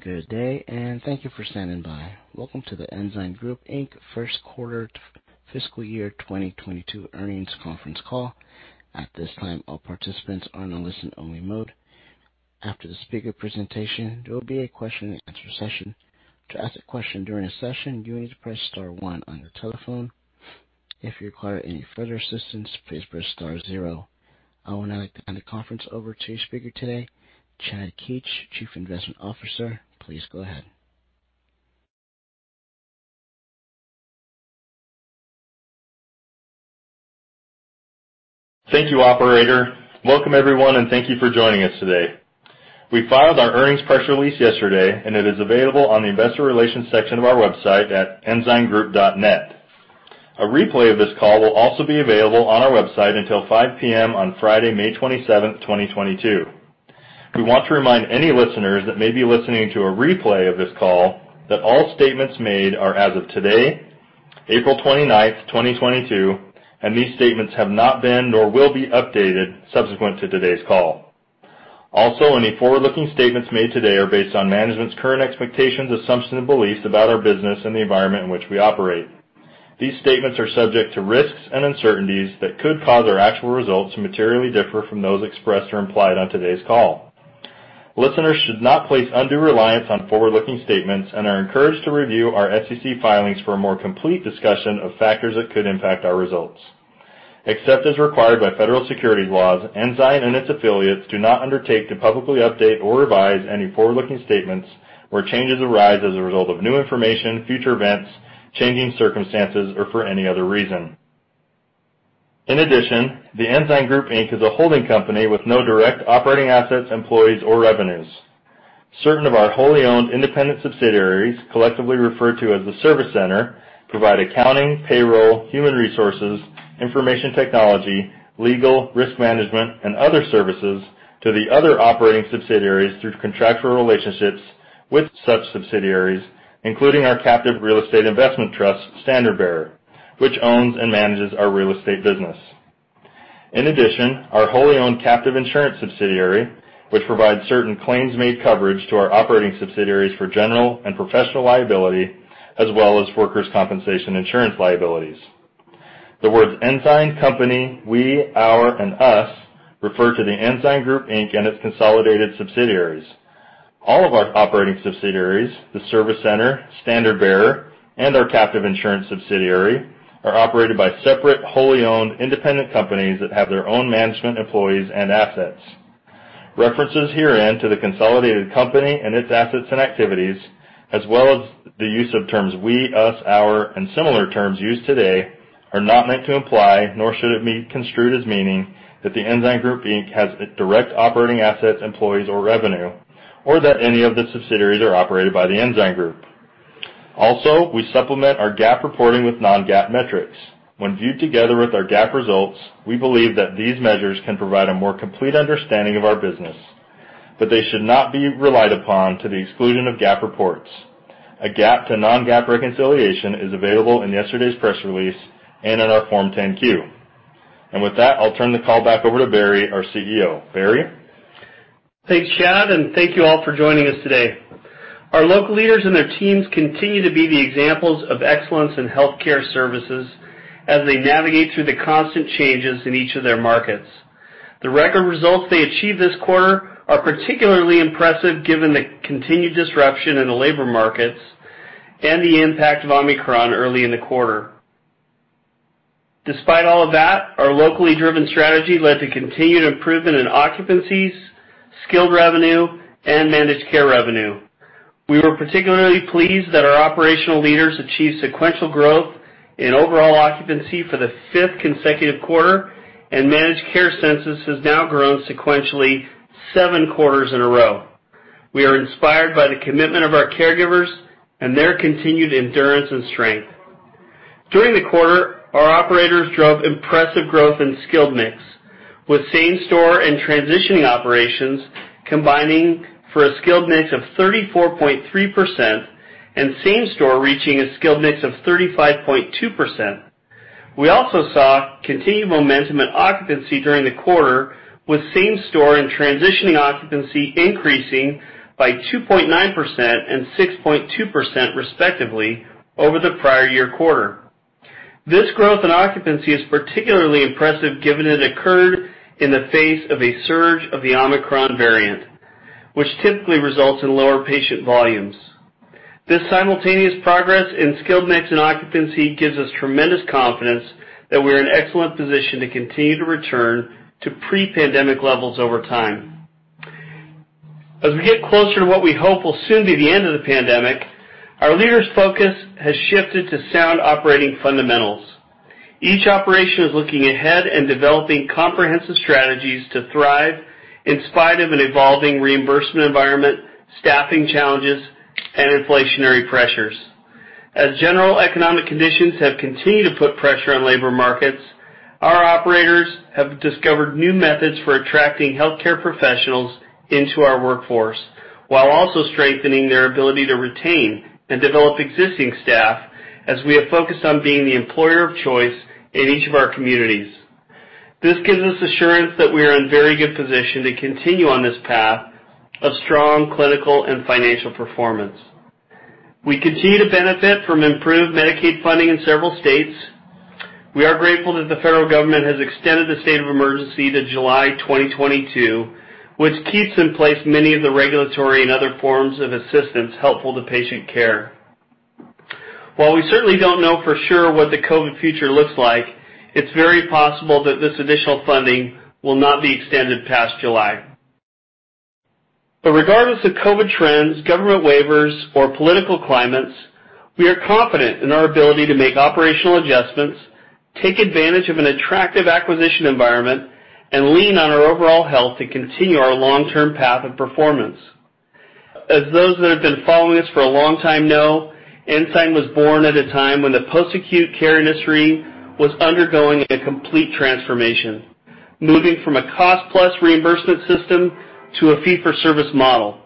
Good day, and thank you for standing by. Welcome to The Ensign Group, Inc. first quarter fiscal year 2022 earnings conference call. At this time, all participants are in a listen only mode. After the speaker presentation, there will be a question and answer session. To ask a question during the session, you need to press star one on your telephone. If you require any further assistance, please press star zero. I would now like to hand the conference over to your speaker today, Chad Keetch, Chief Investment Officer. Please go ahead. Thank you, operator. Welcome, everyone, and thank you for joining us today. We filed our earnings press release yesterday, and it is available on the investor relations section of our website at ensigngroup.net. A replay of this call will also be available on our website until 5:00 P.M. on Friday, May 27th, 2022. We want to remind any listeners that may be listening to a replay of this call that all statements made are as of today, April 29th, 2022, and these statements have not been nor will be updated subsequent to today's call. Also, any forward-looking statements made today are based on management's current expectations, assumptions and beliefs about our business and the environment in which we operate. These statements are subject to risks and uncertainties that could cause our actual results to materially differ from those expressed or implied on today's call. Listeners should not place undue reliance on forward-looking statements and are encouraged to review our SEC filings for a more complete discussion of factors that could impact our results. Except as required by federal securities laws, Ensign and its affiliates do not undertake to publicly update or revise any forward-looking statements where changes arise as a result of new information, future events, changing circumstances, or for any other reason. In addition, The Ensign Group, Inc. is a holding company with no direct operating assets, employees, or revenues. Certain of our wholly owned independent subsidiaries, collectively referred to as The Service Center, provide accounting, payroll, human resources, information technology, legal, risk management, and other services to the other operating subsidiaries through contractual relationships with such subsidiaries, including our captive real estate investment trust, Standard Bearer, which owns and manages our real estate business. In addition, our wholly owned captive insurance subsidiary, which provides certain claims-made coverage to our operating subsidiaries for general and professional liability as well as workers' compensation insurance liabilities. The words Ensign, company, we, our, and us refer to The Ensign Group, Inc. and its consolidated subsidiaries. All of our operating subsidiaries, The Service Center, Standard Bearer, and our captive insurance subsidiary, are operated by separate, wholly owned independent companies that have their own management, employees, and assets. References herein to the consolidated company and its assets and activities, as well as the use of terms we, us, our, and similar terms used today are not meant to imply, nor should it be construed as meaning that The Ensign Group, Inc. has direct operating assets, employees, or revenue, or that any of the subsidiaries are operated by The Ensign Group. Also, we supplement our GAAP reporting with non-GAAP metrics. When viewed together with our GAAP results, we believe that these measures can provide a more complete understanding of our business, but they should not be relied upon to the exclusion of GAAP reports. A GAAP to non-GAAP reconciliation is available in yesterday's press release and in our Form 10-Q. With that, I'll turn the call back over to Barry, our CEO. Barry? Thanks, Chad, and thank you all for joining us today. Our local leaders and their teams continue to be the examples of excellence in healthcare services as they navigate through the constant changes in each of their markets. The record results they achieved this quarter are particularly impressive given the continued disruption in the labor markets and the impact of Omicron early in the quarter. Despite all of that, our locally driven strategy led to continued improvement in occupancies, skilled revenue, and managed care revenue. We were particularly pleased that our operational leaders achieved sequential growth in overall occupancy for the fifth consecutive quarter, and managed care census has now grown sequentially seven quarters in a row. We are inspired by the commitment of our caregivers and their continued endurance and strength. During the quarter, our operators drove impressive growth in skilled mix, with same store and transitioning operations combining for a skilled mix of 34.3% and same store reaching a skilled mix of 35.2%. We also saw continued momentum at occupancy during the quarter, with same store and transitioning occupancy increasing by 2.9% and 6.2%, respectively, over the prior year quarter. This growth in occupancy is particularly impressive given it occurred in the face of a surge of the Omicron variant, which typically results in lower patient volumes. This simultaneous progress in skilled mix and occupancy gives us tremendous confidence that we're in excellent position to continue to return to pre-pandemic levels over time. As we get closer to what we hope will soon be the end of the pandemic, our leaders' focus has shifted to sound operating fundamentals. Each operation is looking ahead and developing comprehensive strategies to thrive in spite of an evolving reimbursement environment, staffing challenges, and inflationary pressures. As general economic conditions have continued to put pressure on labor markets, our operators have discovered new methods for attracting healthcare professionals into our workforce while also strengthening their ability to retain and develop existing staff as we have focused on being the employer of choice in each of our communities. This gives us assurance that we are in very good position to continue on this path of strong clinical and financial performance. We continue to benefit from improved Medicaid funding in several states. We are grateful that the federal government has extended the state of emergency to July 2022, which keeps in place many of the regulatory and other forms of assistance helpful to patient care. While we certainly don't know for sure what the COVID future looks like, it's very possible that this additional funding will not be extended past July. Regardless of COVID trends, government waivers, or political climates, we are confident in our ability to make operational adjustments, take advantage of an attractive acquisition environment, and lean on our overall health to continue our long-term path of performance. As those that have been following us for a long time know, Ensign was born at a time when the post-acute care industry was undergoing a complete transformation, moving from a cost plus reimbursement system to a fee for service model.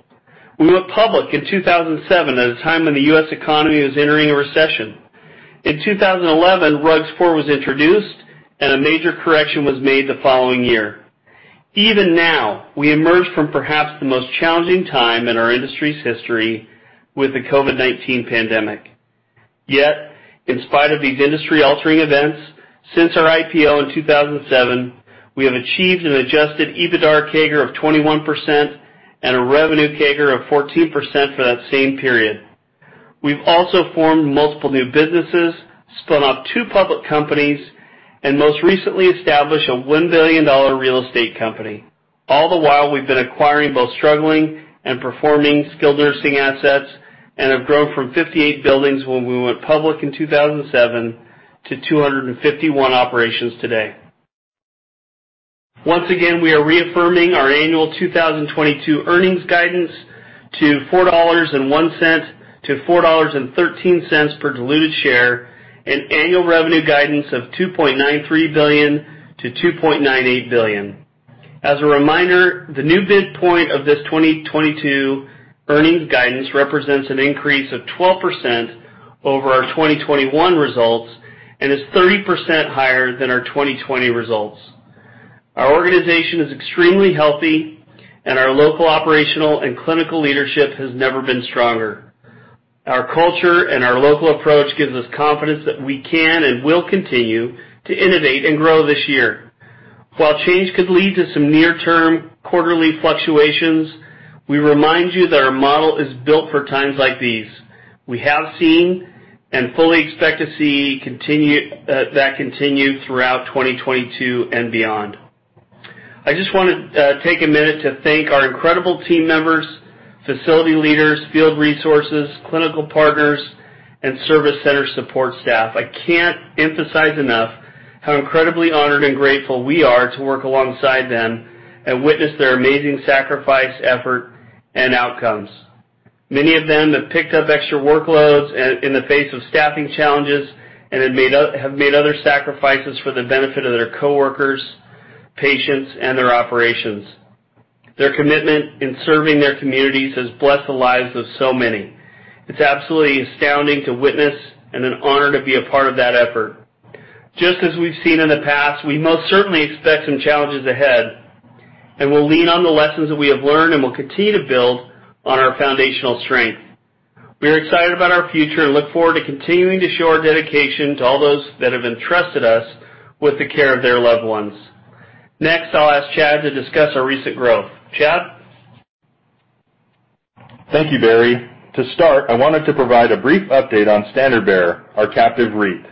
We went public in 2007 at a time when the U.S. economy was entering a recession. In 2011, RUG-IV was introduced, and a major correction was made the following year. Even now, we emerge from perhaps the most challenging time in our industry's history with the COVID-19 pandemic. Yet, in spite of these industry altering events, since our IPO in 2007, we have achieved an adjusted EBITDAR CAGR of 21% and a revenue CAGR of 14% for that same period. We've also formed multiple new businesses, spun off two public companies, and most recently established a $1 billion real estate company. All the while, we've been acquiring both struggling and performing skilled nursing assets and have grown from 58 buildings when we went public in 2007 to 251 operations today. Once again, we are reaffirming our annual 2022 earnings guidance to $4.01-$4.13 per diluted share and annual revenue guidance of $2.93 billion-$2.98 billion. As a reminder, the new midpoint of this 2022 earnings guidance represents an increase of 12% over our 2021 results and is 30% higher than our 2020 results. Our organization is extremely healthy and our local operational and clinical leadership has never been stronger. Our culture and our local approach gives us confidence that we can and will continue to innovate and grow this year. While change could lead to some near-term quarterly fluctuations, we remind you that our model is built for times like these. We have seen and fully expect to see that continue throughout 2022 and beyond. I just wanna take a minute to thank our incredible team members, facility leaders, field resources, clinical partners, and service center support staff. I can't emphasize enough how incredibly honored and grateful we are to work alongside them and witness their amazing sacrifice, effort, and outcomes. Many of them have picked up extra workloads and in the face of staffing challenges and have made other sacrifices for the benefit of their coworkers, patients, and their operations. Their commitment in serving their communities has blessed the lives of so many. It's absolutely astounding to witness and an honor to be a part of that effort. Just as we've seen in the past, we most certainly expect some challenges ahead, and we'll lean on the lessons that we have learned, and we'll continue to build on our foundational strength. We are excited about our future and look forward to continuing to show our dedication to all those that have entrusted us with the care of their loved ones. Next, I'll ask Chad to discuss our recent growth. Chad? Thank you, Barry. To start, I wanted to provide a brief update on Standard Bearer, our captive REIT.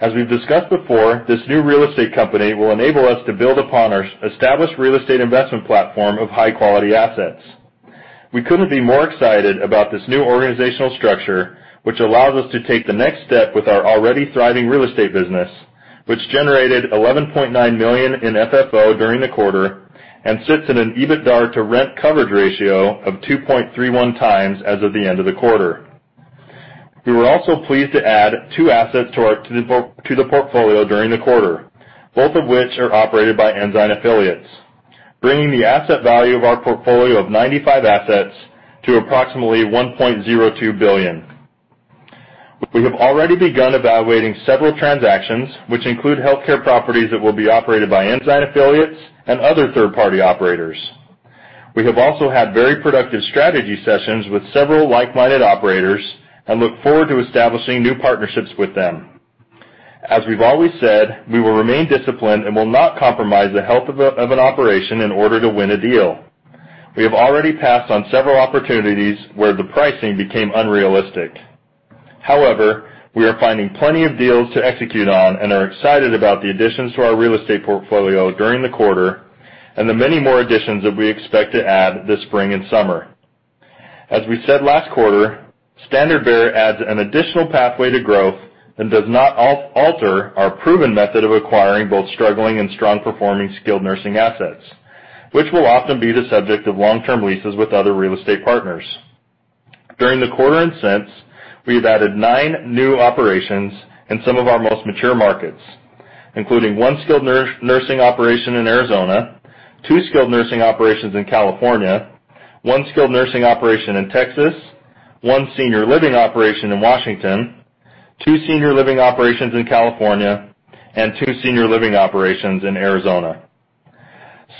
As we've discussed before, this new real estate company will enable us to build upon our established real estate investment platform of high-quality assets. We couldn't be more excited about this new organizational structure, which allows us to take the next step with our already thriving real estate business, which generated $11.9 million in FFO during the quarter and sits at an EBITDAR-to-rent coverage ratio of 2.31x as of the end of the quarter. We were also pleased to add two assets to the portfolio during the quarter, both of which are operated by Ensign affiliates, bringing the asset value of our portfolio of 95 assets to approximately $1.02 billion. We have already begun evaluating several transactions, which include healthcare properties that will be operated by Ensign affiliates and other third-party operators. We have also had very productive strategy sessions with several like-minded operators and look forward to establishing new partnerships with them. As we've always said, we will remain disciplined and will not compromise the health of an operation in order to win a deal. We have already passed on several opportunities where the pricing became unrealistic. However, we are finding plenty of deals to execute on and are excited about the additions to our real estate portfolio during the quarter and the many more additions that we expect to add this spring and summer. As we said last quarter, Standard Bearer adds an additional pathway to growth and does not alter our proven method of acquiring both struggling and strong performing skilled nursing assets, which will often be the subject of long-term leases with other real estate partners. During the quarter and since, we have added nine new operations in some of our most mature markets, including one skilled nursing operation in Arizona, two skilled nursing operations in California, one skilled nursing operation in Texas, one senior living operation in Washington, two senior living operations in California and two senior living operations in Arizona.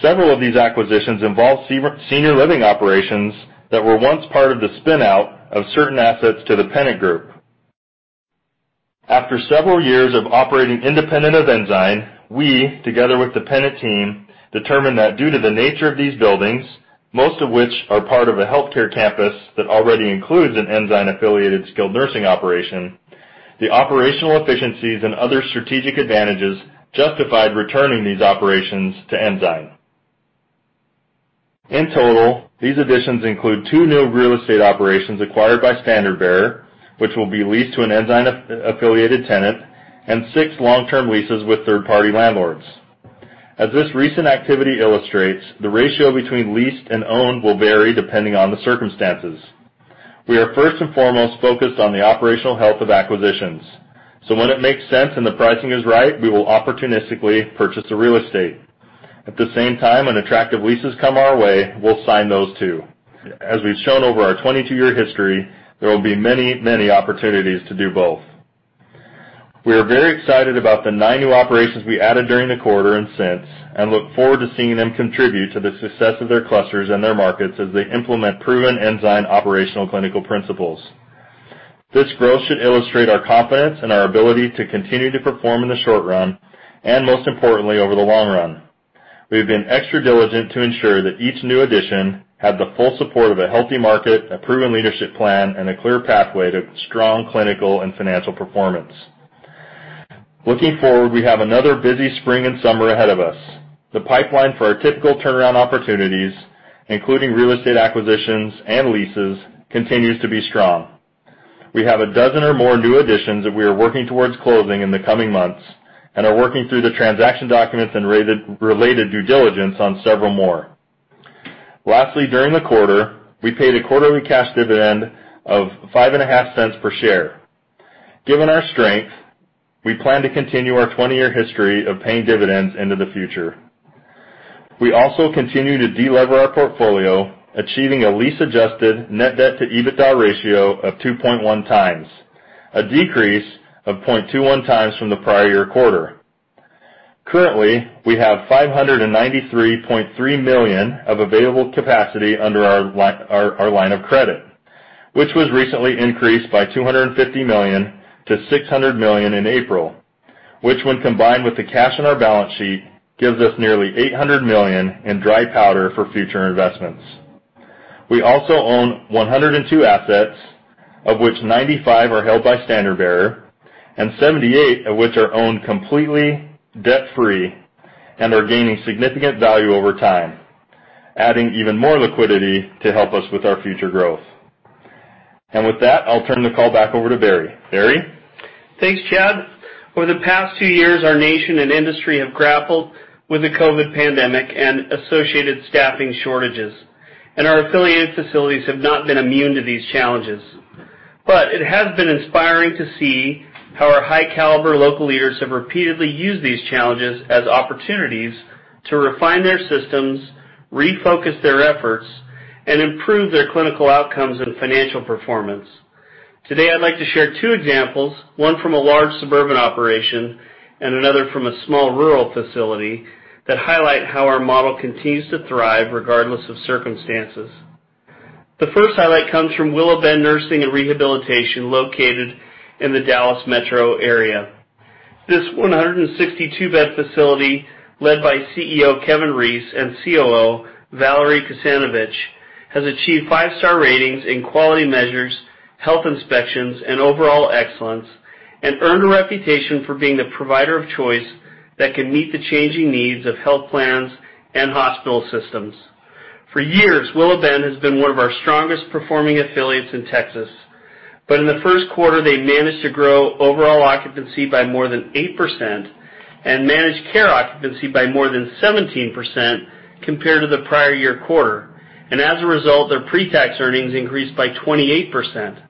Several of these acquisitions involve senior living operations that were once part of the spin-out of certain assets to the Pennant Group. After several years of operating independent of Ensign, we together with the Pennant team determined that due to the nature of these buildings, most of which are part of a healthcare campus that already includes an Ensign-affiliated skilled nursing operation. The operational efficiencies and other strategic advantages justified returning these operations to Ensign. In total, these additions include two new real estate operations acquired by Standard Bearer, which will be leased to an Ensign-affiliated tenant, and six long-term leases with third-party landlords. As this recent activity illustrates, the ratio between leased and owned will vary depending on the circumstances. We are first and foremost focused on the operational health of acquisitions. When it makes sense and the pricing is right, we will opportunistically purchase a real estate. At the same time, an attractive leases come our way, we'll sign those too. As we've shown over our 22-year history, there will be many, many opportunities to do both. We are very excited about the nine new operations we added during the quarter and since, and look forward to seeing them contribute to the success of their clusters and their markets as they implement proven Ensign operational clinical principles. This growth should illustrate our confidence and our ability to continue to perform in the short run, and most importantly, over the long run. We've been extra diligent to ensure that each new addition had the full support of a healthy market, a proven leadership plan, and a clear pathway to strong clinical and financial performance. Looking forward, we have another busy spring and summer ahead of us. The pipeline for our typical turnaround opportunities, including real estate acquisitions and leases, continues to be strong. We have a dozen or more new additions that we are working towards closing in the coming months and are working through the transaction documents and rate-related due diligence on several more. Lastly, during the quarter, we paid a quarterly cash dividend of $0.055 per share. Given our strength, we plan to continue our 20-year history of paying dividends into the future. We also continue to delever our portfolio, achieving a lease-adjusted net debt to EBITDA ratio of 2.1x, a decrease of 0.21x from the prior year quarter. Currently, we have $593.3 million of available capacity under our line of credit, which was recently increased by $250 million to $600 million in April. Which, when combined with the cash on our balance sheet, gives us nearly $800 million in dry powder for future investments. We also own 102 assets, of which 95 are held by Standard Bearer and 78 of which are owned completely debt-free and are gaining significant value over time, adding even more liquidity to help us with our future growth. With that, I'll turn the call back over to Barry. Barry? Thanks, Chad. Over the past two years, our nation and industry have grappled with the COVID pandemic and associated staffing shortages, and our affiliate facilities have not been immune to these challenges. It has been inspiring to see how our high caliber local leaders have repeatedly used these challenges as opportunities to refine their systems, refocus their efforts, and improve their clinical outcomes and financial performance. Today, I'd like to share two examples, one from a large suburban operation and another from a small rural facility that highlight how our model continues to thrive regardless of circumstances. The first highlight comes from Willow Bend Nursing & Rehabilitation, located in the Dallas Metro area. This 162-bed facility, led by CEO Kevin Reese and COO Valerie Kosanovich, has achieved five-star ratings in quality measures, health inspections, and overall excellence, and earned a reputation for being the provider of choice that can meet the changing needs of health plans and hospital systems. For years, Willow Bend has been one of our strongest performing affiliates in Texas. In the first quarter, they managed to grow overall occupancy by more than 8% and managed care occupancy by more than 17% compared to the prior year quarter. As a result, their pre-tax earnings increased by 28%.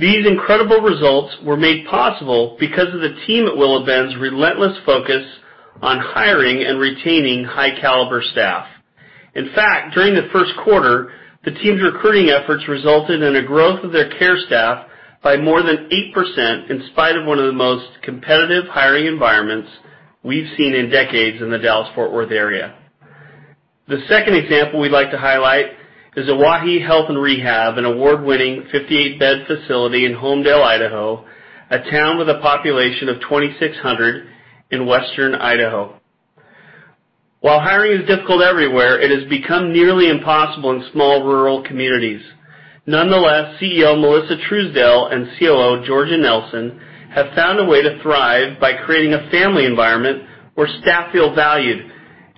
These incredible results were made possible because of the team at Willow Bend's relentless focus on hiring and retaining high caliber staff. In fact, during the first quarter, the team's recruiting efforts resulted in a growth of their care staff by more than 8%, in spite of one of the most competitive hiring environments we've seen in decades in the Dallas-Fort Worth area. The second example we'd like to highlight is Owyhee Health and Rehab, an award-winning 58-bed facility in Homedale, Idaho, a town with a population of 2,600 in western Idaho. While hiring is difficult everywhere, it has become nearly impossible in small rural communities. Nonetheless, CEO Melissa Truesdell and COO Georgia Nelson have found a way to thrive by creating a family environment where staff feel valued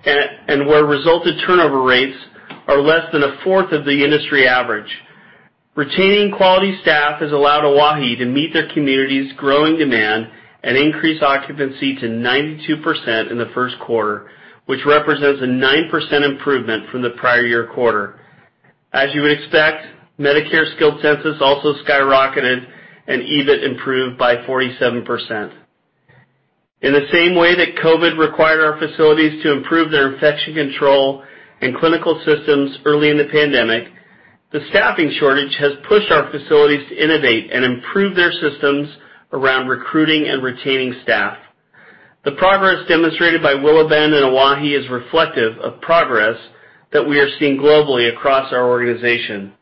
and where resulting turnover rates are less than a fourth of the industry average. Retaining quality staff has allowed Owyhee to meet their community's growing demand and increase occupancy to 92% in the first quarter, which represents a 9% improvement from the prior year quarter. As you would expect, Medicare skilled census also skyrocketed and EBIT improved by 47%. In the same way that COVID required our facilities to improve their infection control and clinical systems early in the pandemic, the staffing shortage has pushed our facilities to innovate and improve their systems around recruiting and retaining staff. The progress demonstrated by Willow Bend and Owyhee is reflective of progress that we are seeing globally across our organization.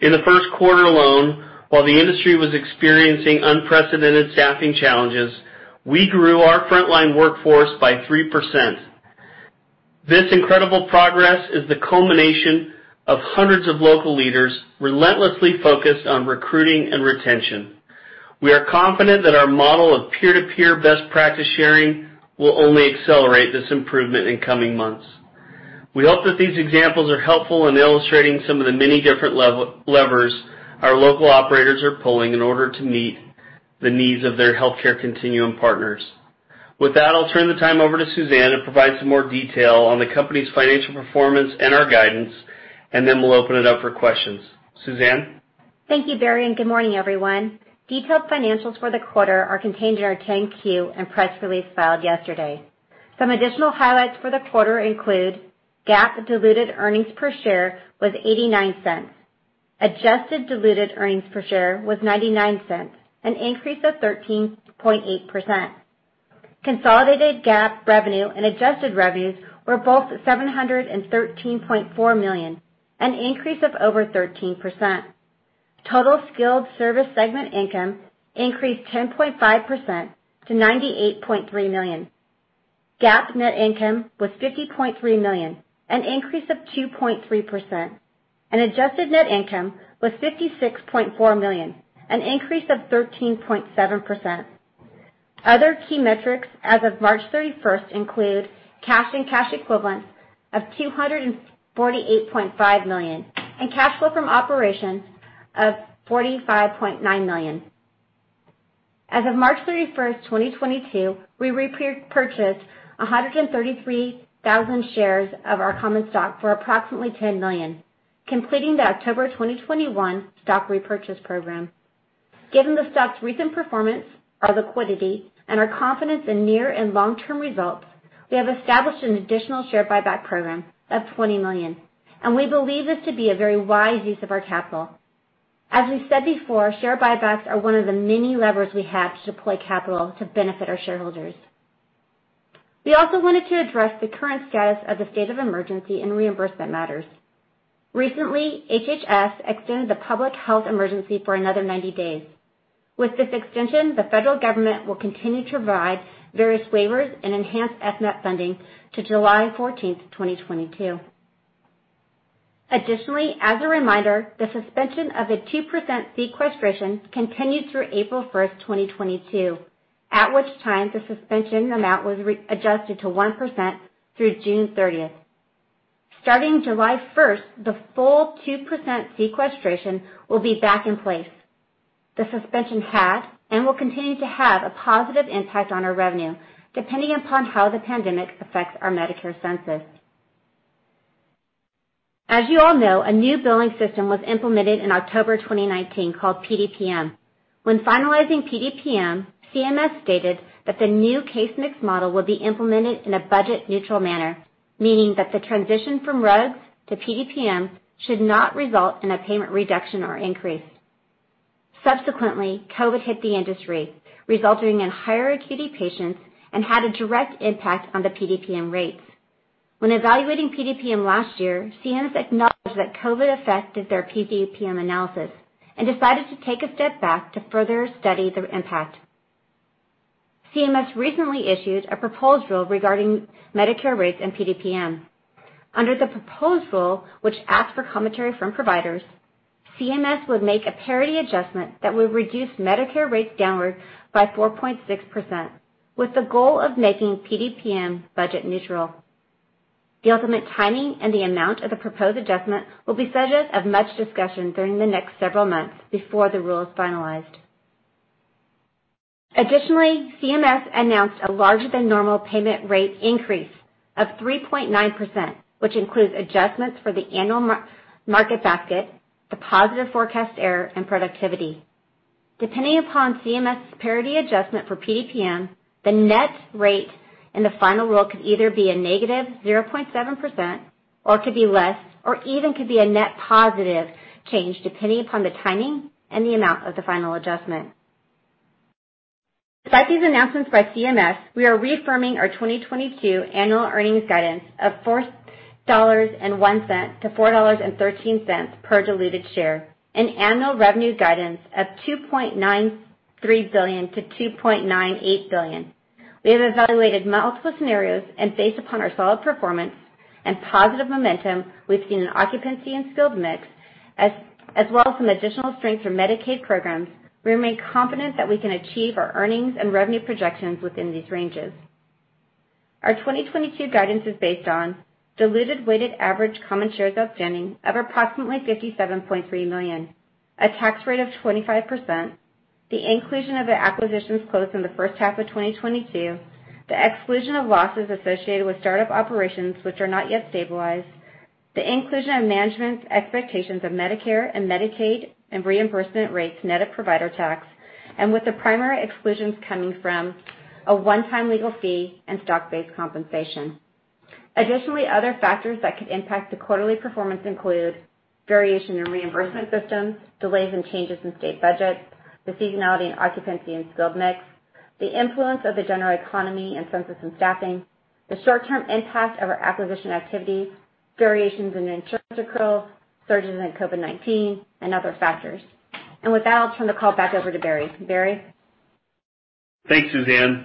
In the first quarter alone, while the industry was experiencing unprecedented staffing challenges, we grew our frontline workforce by 3%. This incredible progress is the culmination of hundreds of local leaders relentlessly focused on recruiting and retention. We are confident that our model of peer-to-peer best practice sharing will only accelerate this improvement in coming months. We hope that these examples are helpful in illustrating some of the many different levers our local operators are pulling in order to meet the needs of their healthcare continuum partners. With that, I'll turn the time over to Suzanne to provide some more detail on the company's financial performance and our guidance, and then we'll open it up for questions. Suzanne? Thank you, Barry, and good morning, everyone. Detailed financials for the quarter are contained in our 10-Q and press release filed yesterday. Some additional highlights for the quarter include GAAP diluted earnings per share was $0.89. Adjusted diluted earnings per share was $0.99, an increase of 13.8%. Consolidated GAAP revenue and adjusted revenues were both $713.4 million, an increase of over 13%. Total skilled service segment income increased 10.5% to $98.3 million. GAAP net income was $50.3 million, an increase of 2.3%, and adjusted net income was $56.4 million, an increase of 13.7%. Other key metrics as of March 31st include cash and cash equivalents of $248.5 million and cash flow from operations of $45.9 million. As of March 31st, 2022, we repurchased 133,000 shares of our common stock for approximately $10 million, completing the October 2021 stock repurchase program. Given the stock's recent performance, our liquidity, and our confidence in near and long-term results, we have established an additional share buyback program of $20 million, and we believe this to be a very wise use of our capital. As we said before, share buybacks are one of the many levers we have to deploy capital to benefit our shareholders. We also wanted to address the current status of the state of emergency and reimbursement matters. Recently, HHS extended the public health emergency for another 90 days. With this extension, the federal government will continue to provide various waivers and enhanced FMAP funding to July 14th, 2022. Additionally, as a reminder, the suspension of the 2% sequestration continued through April 1st, 2022, at which time the suspension amount was re-adjusted to 1% through June 30th. Starting July 1st, the full 2% sequestration will be back in place. The suspension had and will continue to have a positive impact on our revenue, depending upon how the pandemic affects our Medicare census. As you all know, a new billing system was implemented in October 2019 called PDPM. When finalizing PDPM, CMS stated that the new case mix model will be implemented in a budget neutral manner, meaning that the transition from RUGs to PDPM should not result in a payment reduction or increase. Subsequently, COVID hit the industry, resulting in higher acuity patients and had a direct impact on the PDPM rates. When evaluating PDPM last year, CMS acknowledged that COVID affected their PDPM analysis and decided to take a step back to further study the impact. CMS recently issued a proposed rule regarding Medicare rates and PDPM. Under the proposed rule, which asks for commentary from providers, CMS would make a parity adjustment that would reduce Medicare rates downward by 4.6% with the goal of making PDPM budget neutral. The ultimate timing and the amount of the proposed adjustment will be subject of much discussion during the next several months before the rule is finalized. Additionally, CMS announced a larger than normal payment rate increase of 3.9%, which includes adjustments for the annual market basket, the positive forecast error, and productivity. Depending upon CMS parity adjustment for PDPM, the net rate in the final rule could either be a -0.7% or could be less, or even could be a net positive change, depending upon the timing and the amount of the final adjustment. Despite these announcements by CMS, we are reaffirming our 2022 annual earnings guidance of $4.01-$4.13 per diluted share, an annual revenue guidance of $2.93 billion-$2.98 billion. We have evaluated multiple scenarios and based upon our solid performance and positive momentum we've seen in occupancy and skilled mix, as well as some additional strength through Medicaid programs, we remain confident that we can achieve our earnings and revenue projections within these ranges. Our 2022 guidance is based on diluted weighted average common shares outstanding of approximately 57.3 million, a tax rate of 25%, the inclusion of the acquisitions closed in the first half of 2022, the exclusion of losses associated with start-up operations which are not yet stabilized, the inclusion of management's expectations of Medicare and Medicaid reimbursement rates net of provider tax, and with the primary exclusions coming from a one-time legal fee and stock-based compensation. Additionally, other factors that could impact the quarterly performance include variation in reimbursement systems, delays and changes in state budgets, the seasonality and occupancy and skilled mix, the influence of the general economy and census and staffing, the short-term impact of our acquisition activity, variations in interest accrual, surges in COVID-19, and other factors. With that, I'll turn the call back over to Barry. Barry? Thanks, Suzanne.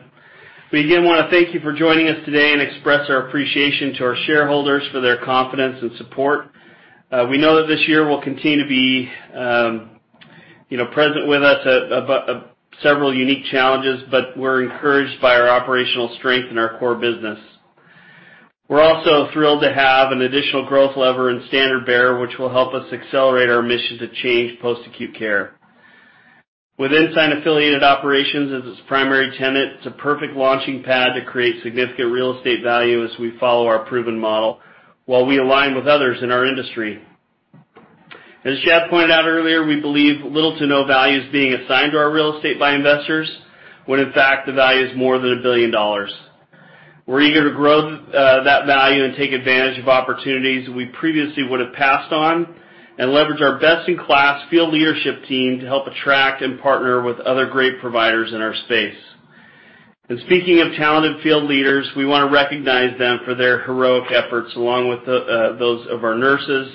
We again want to thank you for joining us today and express our appreciation to our shareholders for their confidence and support. We know that this year will continue to be presented with several unique challenges, but we're encouraged by our operational strength in our core business. We're also thrilled to have an additional growth lever in Standard Bearer, which will help us accelerate our mission to change post-acute care. With Ensign Affiliated Operations as its primary tenant, it's a perfect launching pad to create significant real estate value as we follow our proven model while we align with others in our industry. As Jeff pointed out earlier, we believe little to no value is being assigned to our real estate by investors, when in fact, the value is more than $1 billion. We're eager to grow that value and take advantage of opportunities we previously would have passed on, and leverage our best-in-class field leadership team to help attract and partner with other great providers in our space. Speaking of talented field leaders, we want to recognize them for their heroic efforts, along with those of our nurses,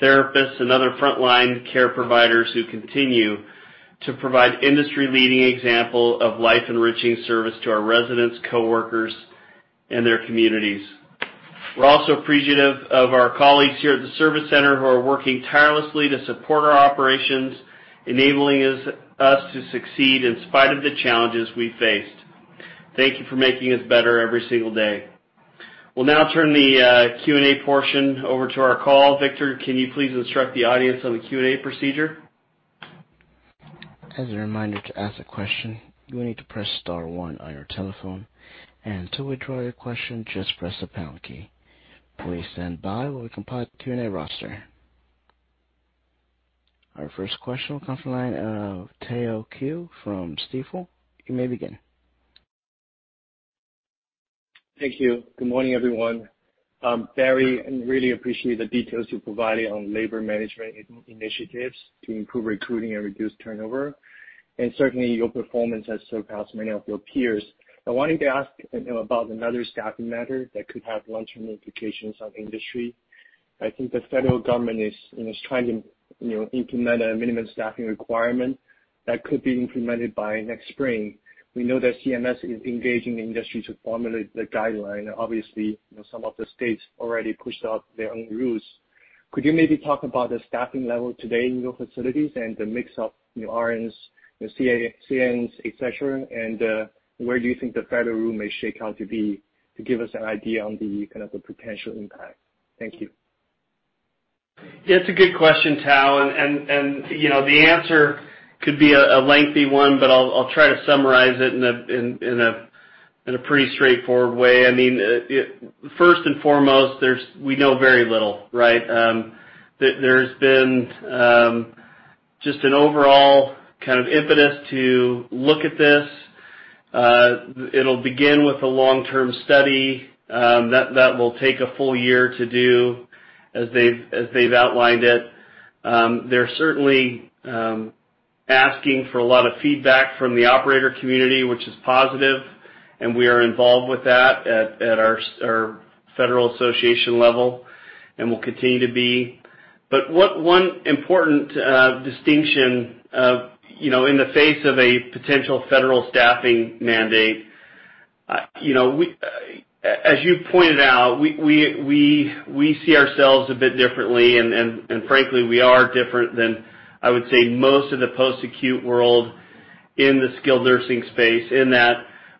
therapists, and other frontline care providers who continue to provide industry-leading example of life-enriching service to our residents, coworkers, and their communities. We're also appreciative of our colleagues here at the Service Center who are working tirelessly to support our operations, enabling us to succeed in spite of the challenges we faced. Thank you for making us better every single day. We'll now turn the Q&A portion over to our call. Victor, can you please instruct the audience on the Q&A procedure? As a reminder to ask a question, you will need to press star one on your telephone, and to withdraw your question, just press the pound key. Please stand by while we compile the Q&A roster. Our first question will come from the line of Tao Qiu from Stifel. You may begin. Thank you. Good morning, everyone. Barry, I really appreciate the details you provided on labor management initiatives to improve recruiting and reduce turnover. Certainly, your performance has surpassed many of your peers. I wanted to ask, you know, about another staffing matter that could have long-term implications on industry. I think the federal government is trying to, you know, implement a minimum staffing requirement that could be implemented by next spring. We know that CMS is engaging the industry to formulate the guideline. Obviously, you know, some of the states already pushed out their own rules. Could you maybe talk about the staffing level today in your facilities and the mix of, you know, RNs, you know, CNAs, et cetera? Where do you think the federal rule may shake out to be, to give us an idea on the kind of the potential impact? Thank you. It's a good question, Tao, and you know, the answer could be a lengthy one, but I'll try to summarize it in a pretty straightforward way. I mean, first and foremost, we know very little, right? There's been just an overall kind of impetus to look at this. It'll begin with a long-term study that will take a full-year to do as they've outlined it. They're certainly asking for a lot of feedback from the operator community, which is positive, and we are involved with that at our federal association level and will continue to be. What one important distinction of, you know, in the face of a potential federal staffing mandate, you know, as you pointed out, we see ourselves a bit differently and frankly, we are different than, I would say, most of the post-acute world in the skilled nursing space in that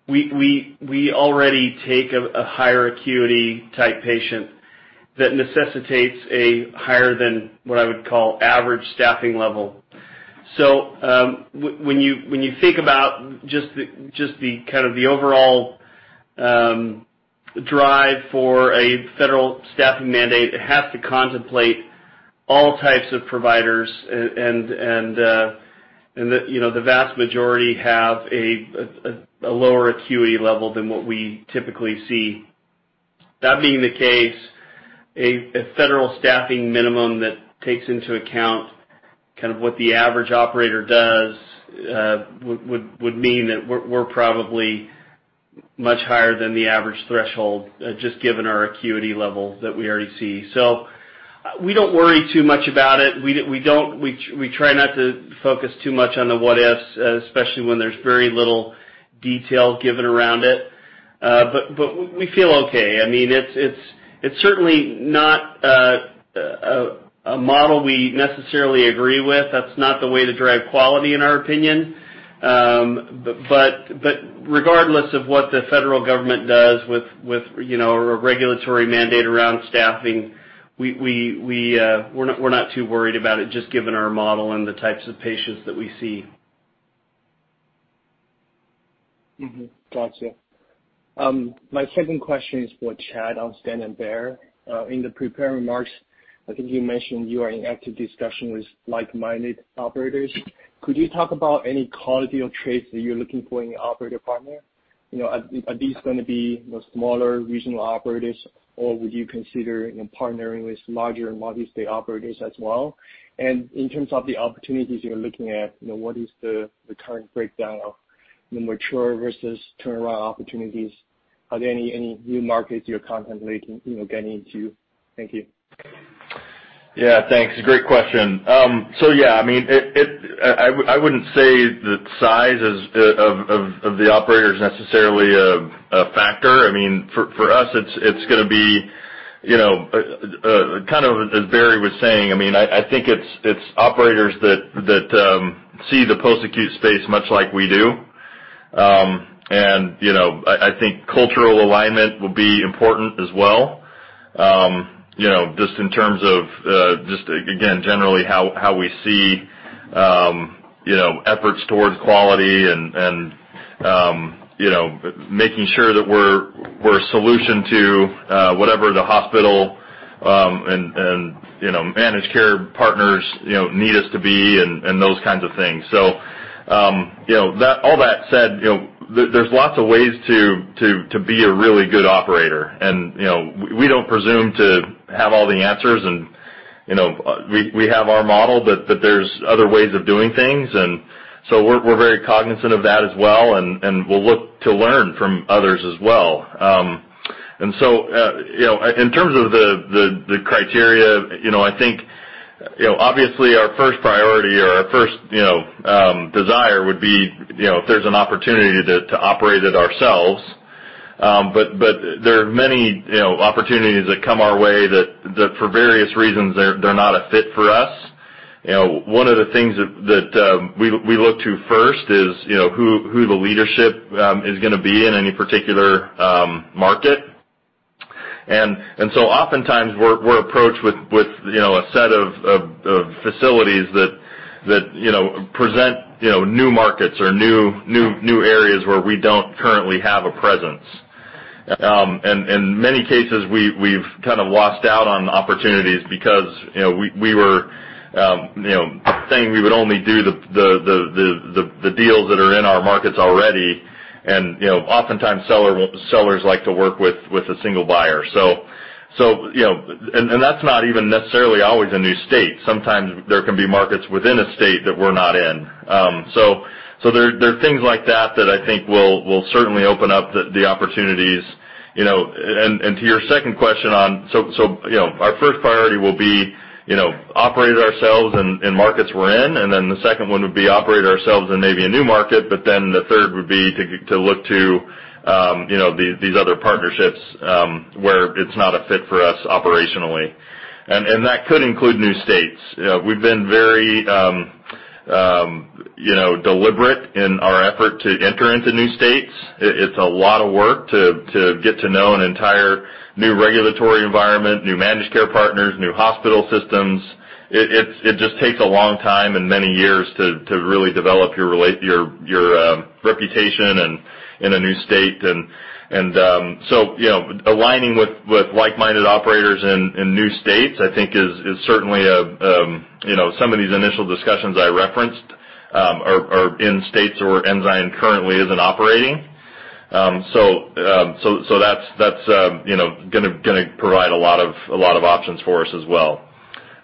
we already take a higher acuity type patient that necessitates a higher than what I would call average staffing level. When you think about just the kind of the overall drive for a federal staffing mandate, it has to contemplate all types of providers and the vast majority have a lower acuity level than what we typically see. That being the case, a federal staffing minimum that takes into account kind of what the average operator does would mean that we're probably much higher than the average threshold just given our acuity level that we already see. So we don't worry too much about it. We try not to focus too much on the what-ifs, especially when there's very little detail given around it. But we feel okay. I mean, it's certainly not a model we necessarily agree with. That's not the way to drive quality in our opinion. Regardless of what the federal government does with you know a regulatory mandate around staffing, we're not too worried about it just given our model and the types of patients that we see. Gotcha. My second question is for Chad Keetch on Standard Bearer. In the prepared remarks, I think you mentioned you are in active discussion with like-minded operators. Could you talk about any quality of traits that you're looking for in your operator partner? You know, are these gonna be more smaller regional operators, or would you consider, you know, partnering with larger multi-state operators as well? In terms of the opportunities you're looking at, you know, what is the current breakdown of the mature versus turnaround opportunities? Are there any new markets you're contemplating, you know, getting into? Thank you. Yeah. Thanks. Great question. So yeah, I mean, I wouldn't say the size of the operator is necessarily a factor. I mean, for us, it's gonna be, you know, kind of as Barry was saying, I mean, I think it's operators that see the post-acute space much like we do. You know, I think cultural alignment will be important as well, you know, just in terms of, just again, generally how we see, you know, efforts towards quality and, you know, making sure that we're a solution to whatever the hospital and, you know, managed care partners, you know, need us to be and those kinds of things. All that said, you know, there's lots of ways to be a really good operator. You know, we don't presume to have all the answers and, you know, we have our model, but there's other ways of doing things. We're very cognizant of that as well, and we'll look to learn from others as well. You know, in terms of the criteria, you know, I think, you know, obviously, our first priority or our first desire would be, you know, if there's an opportunity to operate it ourselves. But there are many, you know, opportunities that come our way that for various reasons they're not a fit for us. You know, one of the things that we look to first is, you know, who the leadership is gonna be in any particular market. Oftentimes we're approached with, you know, a set of facilities that, you know, present new markets or new areas where we don't currently have a presence. In many cases we've kind of lost out on opportunities because, you know, we were, you know, saying we would only do the deals that are in our markets already and, you know, oftentimes sellers like to work with a single buyer. That's not even necessarily always a new state. Sometimes there can be markets within a state that we're not in. There are things like that that I think will certainly open up the opportunities. You know, to your second question on. Our first priority will be, you know, operate it ourselves in markets we're in, and then the second one would be operate ourselves in maybe a new market, but then the third would be to look to, you know, these other partnerships where it's not a fit for us operationally. That could include new states. You know, we've been very, you know, deliberate in our effort to enter into new states. It's a lot of work to get to know an entire new regulatory environment, new managed care partners, new hospital systems. It just takes a long time and many years to really develop your reputation in a new state. You know, aligning with like-minded operators in new states, I think is certainly you know some of these initial discussions I referenced are in states where Ensign currently isn't operating. That's you know gonna provide a lot of options for us as well.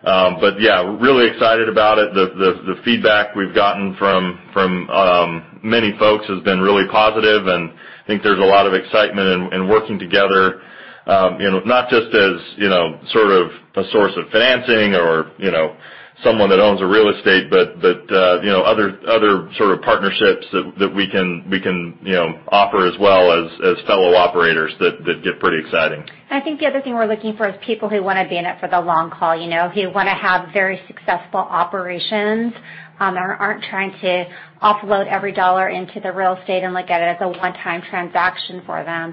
Yeah, really excited about it. The feedback we've gotten from many folks has been really positive, and I think there's a lot of excitement in working together, you know, not just as, you know, sort of a source of financing or, you know, someone that owns a real estate, but, you know, other sort of partnerships that we can, you know, offer as well as fellow operators that get pretty exciting. I think the other thing we're looking for is people who wanna be in it for the long haul, you know, who wanna have very successful operations, or aren't trying to offload every dollar into the real estate and look at it as a one-time transaction for them.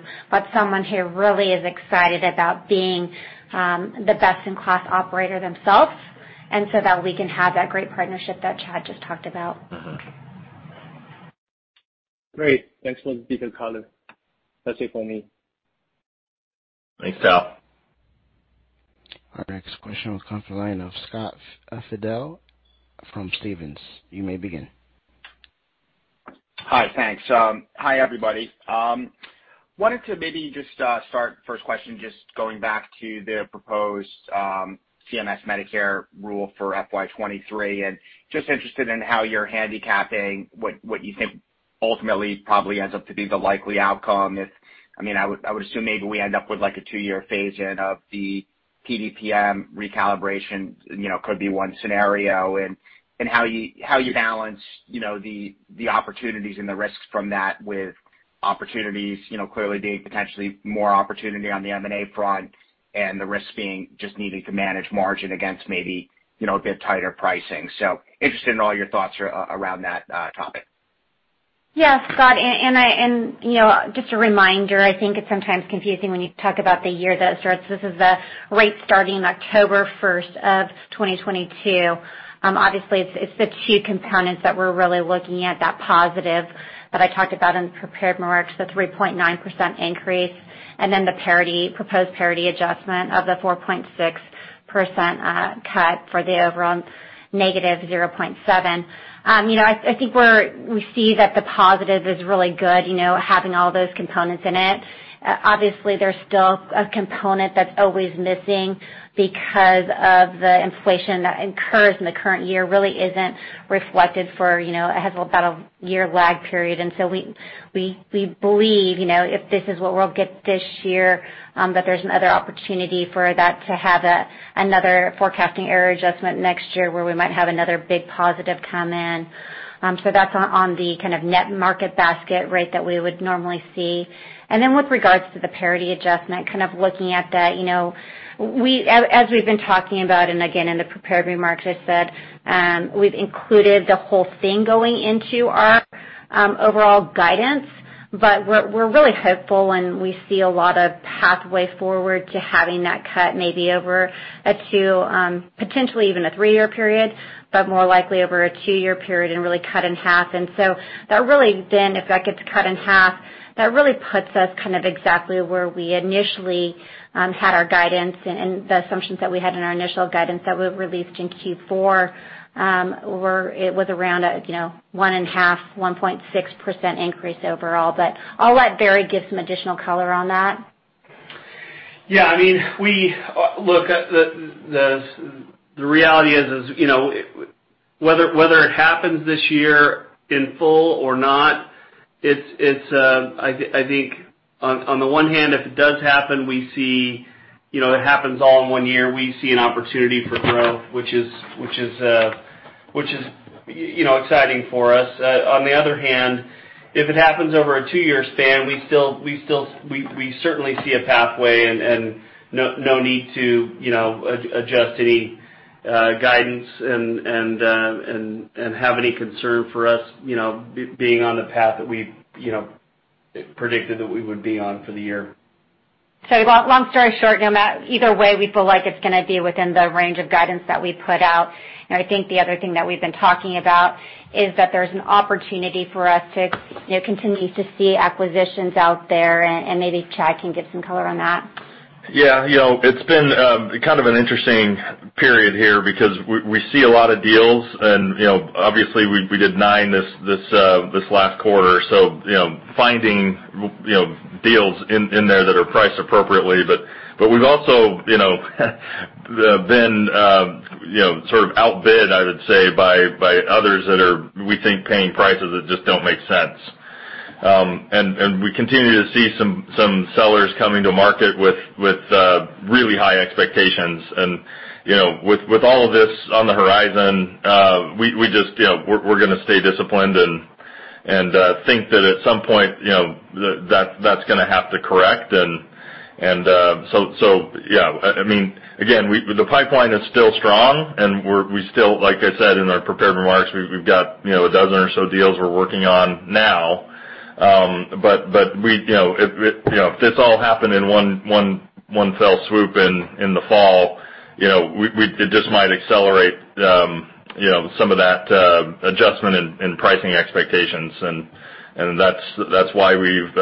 Someone who really is excited about being the best-in-class operator themselves, and so that we can have that great partnership that Chad just talked about. Mm-hmm. Great. Thanks once again, Colin. That's it for me. Thanks, Tao Qiu. Our next question will come from the line of Scott Fidel from Stephens. You may begin. Hi. Thanks. Hi, everybody. Wanted to maybe just start the first question, going back to the proposed CMS Medicare rule for FY 2023, and just interested in how you're handicapping what you think ultimately probably ends up to be the likely outcome. I mean, I would assume maybe we end up with like a two-year phase-in of the PDPM recalibration, you know, could be one scenario, and how you balance, you know, the opportunities and the risks from that with opportunities, you know, clearly being potentially more opportunity on the M&A front and the risk being just needing to manage margin against maybe, you know, a bit tighter pricing. Interested in all your thoughts around that topic. Yes, Scott, you know, just a reminder, I think it's sometimes confusing when you talk about the year that it starts. This is the rate starting October first of 2022. Obviously it's the two components that we're really looking at, that positive that I talked about in the prepared remarks, the 3.9% increase, and then the parity proposed parity adjustment of the 4.6% cut for the overall -0.7%. You know, I think we see that the positive is really good, you know, having all those components in it. Obviously there's still a component that's always missing because of the inflation that incurs in the current year really isn't reflected for, you know, it has about a year lag period. We believe, you know, if this is what we'll get this year, that there's another opportunity for that to have another forecasting error adjustment next year where we might have another big positive come in. That's on the kind of net market basket rate that we would normally see. With regards to the parity adjustment, kind of looking at that, you know, we, as we've been talking about, and again, in the prepared remarks, I said, we've included the whole thing going into our overall guidance. We're really hopeful, and we see a lot of pathway forward to having that cut maybe over a two, potentially even a three-year period, but more likely over a two-year period and really cut in half. That really then, if that gets cut in half, that really puts us kind of exactly where we initially had our guidance and the assumptions that we had in our initial guidance that we released in Q4 were around a, you know, 1.5, 1.6% increase overall. I'll let Barry give some additional color on that. Yeah, I mean, we look at the reality is, you know, whether it happens this year in full or not, it's I think on the one hand, if it does happen, we see, you know, it happens all in one year, we see an opportunity for growth, which is, you know, exciting for us. On the other hand, if it happens over a two-year span, we still certainly see a pathway and no need to, you know, adjust any guidance and have any concern for us, you know, being on the path that we, you know, predicted that we would be on for the year. Long story short, no matter, either way, we feel like it's gonna be within the range of guidance that we put out. I think the other thing that we've been talking about is that there's an opportunity for us to, you know, continue to see acquisitions out there, and maybe Chad can give some color on that. Yeah, you know, it's been kind of an interesting period here because we see a lot of deals and, you know, obviously we did nine this last quarter. You know, finding deals in there that are priced appropriately. We've also, you know, been sort of outbid, I would say, by others that are, we think, paying prices that just don't make sense. We continue to see some sellers coming to market with really high expectations. You know, with all of this on the horizon, we just, you know, we're gonna stay disciplined and think that at some point, you know, that that's gonna have to correct. Yeah, I mean, again, the pipeline is still strong, and we're still, like I said, in our prepared remarks, we've got, you know, a dozen or so deals we're working on now. But we, you know, if this all happened in one fell swoop in the fall, you know, we, it just might accelerate, you know, some of that adjustment in pricing expectations. That's why we've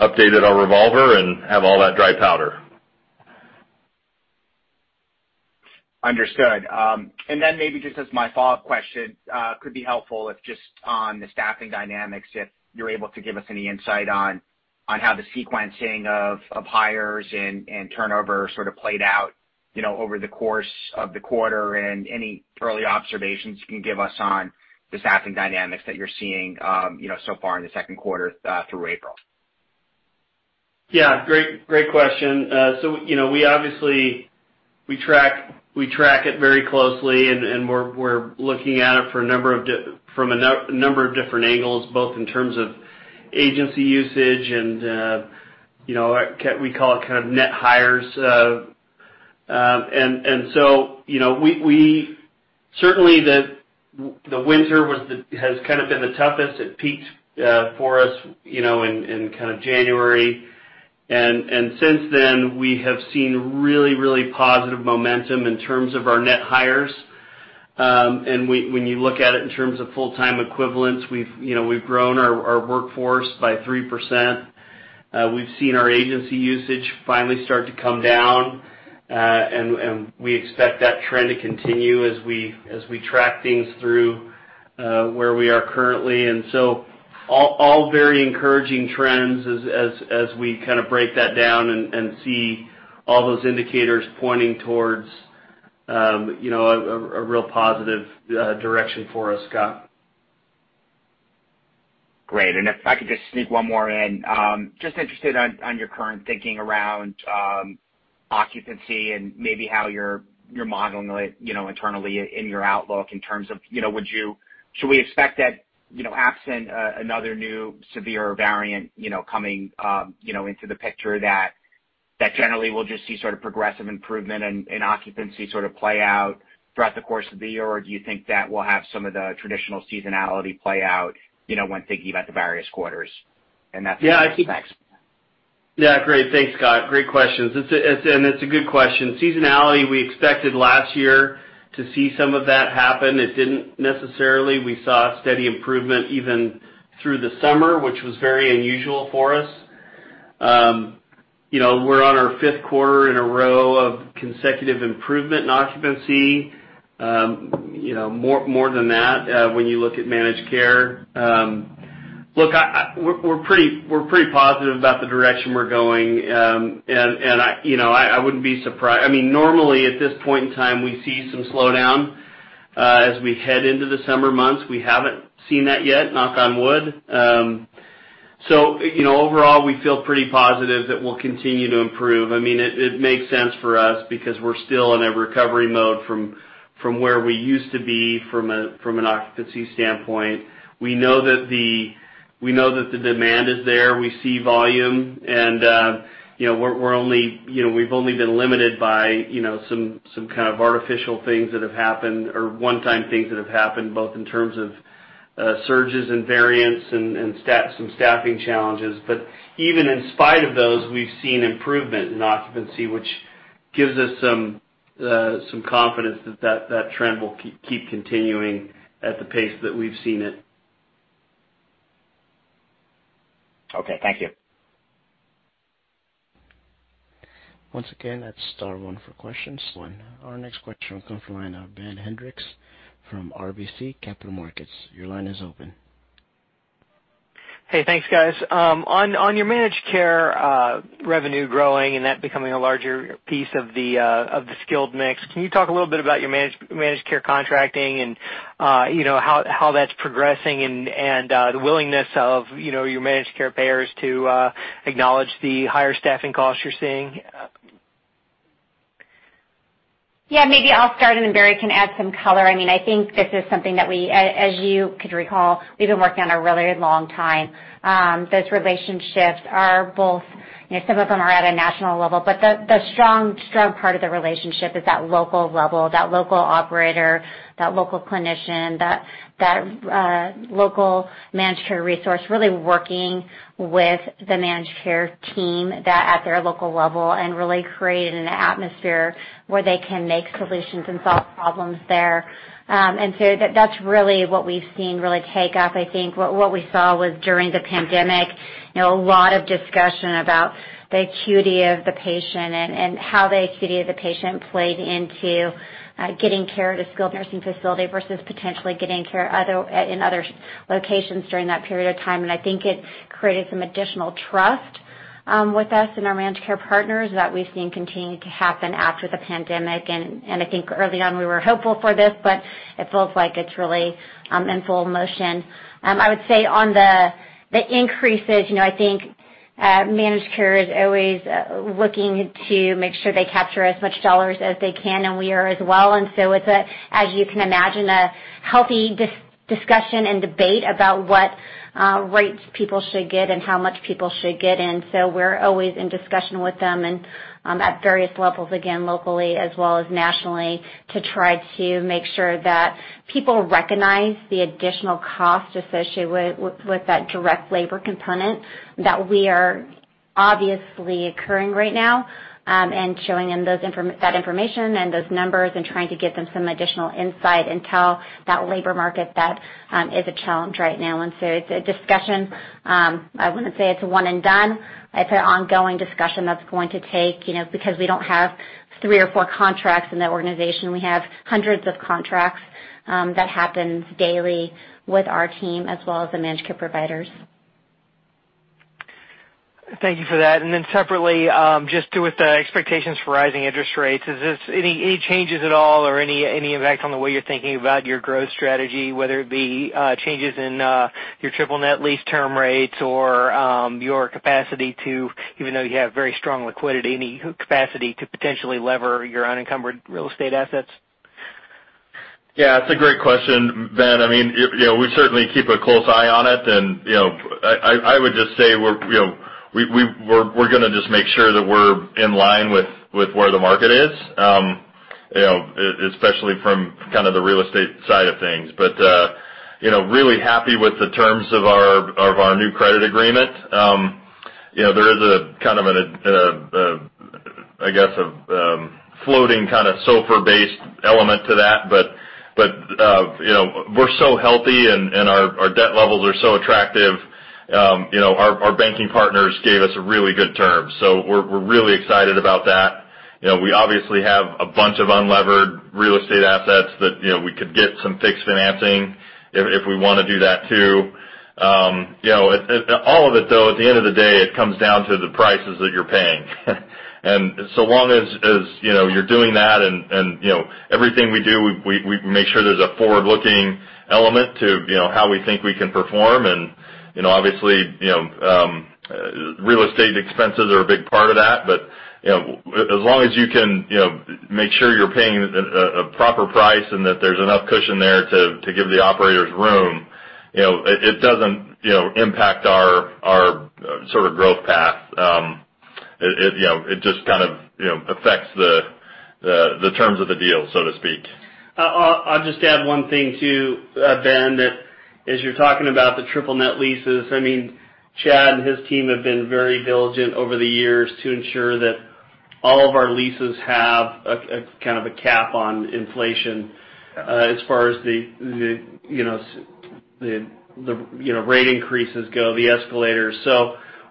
updated our revolver and have all that dry powder. Understood. Maybe just as my follow-up question, could be helpful if just on the staffing dynamics, if you're able to give us any insight on how the sequencing of hires and turnover sort of played out, you know, over the course of the quarter and any early observations you can give us on the staffing dynamics that you're seeing, you know, so far in the second quarter, through April. Yeah, great question. You know, we obviously track it very closely, and we're looking at it from a number of different angles, both in terms of agency usage and, you know, we call it kind of net hires. Certainly the winter has kind of been the toughest. It peaked for us, you know, in kind of January. Since then, we have seen really positive momentum in terms of our net hires. When you look at it in terms of full-time equivalents, you know, we've grown our workforce by 3%. We've seen our agency usage finally start to come down, and we expect that trend to continue as we track things through where we are currently. All very encouraging trends as we kind of break that down and see all those indicators pointing towards, you know, a real positive direction for us, Scott. Great. If I could just sneak one more in, just interested on your current thinking around occupancy and maybe how you're modeling it, you know, internally in your outlook in terms of, you know, should we expect that, you know, absent another new severe variant, you know, coming into the picture that That generally we'll just see sort of progressive improvement in occupancy sort of play out throughout the course of the year, or do you think that we'll have some of the traditional seasonality play out, you know, when thinking about the various quarters? That's it. Thanks. Yeah, great. Thanks, Scott. Great questions. It's a good question. Seasonality, we expected last year to see some of that happen. It didn't necessarily. We saw steady improvement even through the summer, which was very unusual for us. We're on our fifth quarter in a row of consecutive improvement in occupancy. More than that, when you look at managed care. Look, we're pretty positive about the direction we're going. I wouldn't be surprised. I mean, normally at this point in time, we see some slowdown as we head into the summer months. We haven't seen that yet, knock on wood. So, you know, overall, we feel pretty positive that we'll continue to improve. I mean, it makes sense for us because we're still in a recovery mode from where we used to be from an occupancy standpoint. We know that the demand is there. We see volume, and you know, we've only been limited by you know, some kind of artificial things that have happened or one-time things that have happened, both in terms of surges in variants and some staffing challenges. Even in spite of those, we've seen improvement in occupancy, which gives us some confidence that that trend will keep continuing at the pace that we've seen it. Okay. Thank you. Once again, that's star one for questions. One. Our next question comes from the line of Ben Hendrix from RBC Capital Markets. Your line is open. Hey. Thanks, guys. On your managed care revenue growing and that becoming a larger piece of the skilled mix, can you talk a little bit about your managed care contracting and, you know, how that's progressing and the willingness of, you know, your managed care payers to acknowledge the higher staffing costs you're seeing? Yeah, maybe I'll start, and then Barry can add some color. I mean, I think this is something that we, as you could recall, we've been working on a really long time. Those relationships are both, you know, some of them are at a national level, but the strong part of the relationship is that local level, that local operator, that local clinician, that local managed care resource really working with the managed care team at their local level and really creating an atmosphere where they can make solutions and solve problems there. That's really what we've seen really take up. I think what we saw was during the pandemic, you know, a lot of discussion about the acuity of the patient and how the acuity of the patient played into getting care at a skilled nursing facility versus potentially getting care in other locations during that period of time. I think it created some additional trust with us and our managed care partners that we've seen continue to happen after the pandemic. I think early on, we were hopeful for this, but it feels like it's really in full motion. I would say on the increases, you know, I think managed care is always looking to make sure they capture as much dollars as they can, and we are as well. It's a, as you can imagine, a healthy discussion and debate about what rates people should get and how much people should get. We're always in discussion with them and, at various levels, again, locally as well as nationally, to try to make sure that people recognize the additional cost associated with that direct labor component that we are obviously incurring right now, and showing them that information and those numbers and trying to give them some additional insight into that labor market that is a challenge right now. It's a discussion. I wouldn't say it's a one and done. It's an ongoing discussion that's going to take, you know, because we don't have three or four contracts in the organization. We have 100s of contracts, that happens daily with our team as well as the managed care providers. Thank you for that. Separately, just with the expectations for rising interest rates, is there any changes at all or any impact on the way you're thinking about your growth strategy, whether it be changes in your triple net lease term rates or your capacity to, even though you have very strong liquidity, any capacity to potentially lever your unencumbered real estate assets? Yeah, it's a great question, Ben. I mean, you know, we certainly keep a close eye on it, and you know, I would just say we're you know gonna just make sure that we're in line with where the market is, you know, especially from kind of the real estate side of things. You know, really happy with the terms of our new credit agreement. You know, there is kind of, I guess, a floating SOFR-based element to that. You know, we're so healthy and our debt levels are so attractive, you know, our banking partners gave us a really good term. We're really excited about that. You know, we obviously have a bunch of unlevered real estate assets that, you know, we could get some fixed financing if we wanna do that, too. You know, all of it, though, at the end of the day, it comes down to the prices that you're paying. So long as you know, you're doing that and you know, everything we do, we make sure there's a forward-looking element to you know, how we think we can perform. You know, obviously, you know, real estate expenses are a big part of that. You know, as long as you can, you know, make sure you're paying a proper price and that there's enough cushion there to give the operators room, you know, it doesn't, you know, impact our sort of growth path. You know, it just kind of, you know, affects the terms of the deal, so to speak. I'll just add one thing, too, Ben, that as you're talking about the triple net leases, I mean, Chad and his team have been very diligent over the years to ensure that all of our leases have a kind of a cap on inflation, as far as the you know, the rate increases go, the escalators.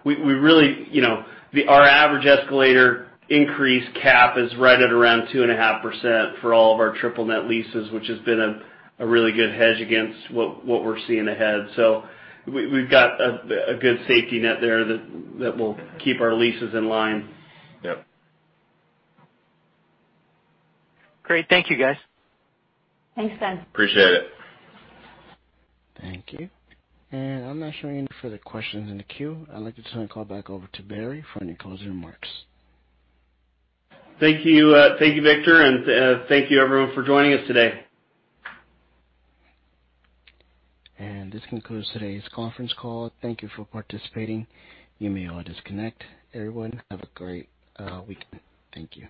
We really you know our average escalator increase cap is right at around 2.5% for all of our triple net leases, which has been a really good hedge against what we're seeing ahead. We've got a good safety net there that will keep our leases in line. Yep. Great. Thank you, guys. Thanks, Ben. Appreciate it. Thank you. I'm not showing any further questions in the queue. I'd like to turn the call back over to Barry for any closing remarks. Thank you. Thank you, Victor. Thank you, everyone, for joining us today. This concludes today's conference call. Thank you for participating. You may all disconnect. Everyone, have a great weekend. Thank you.